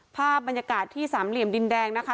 ภาพบรรยากาศที่สามเหลี่ยมดินแดงนะคะ